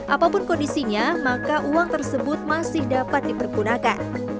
apapun kondisinya maka uang tersebut masih dapat dipergunakan